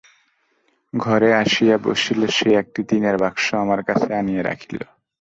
ঘরে আসিয়া বসিলে সে একটি টিনের বাক্স আমার কাছে আনিয়া রাখিল।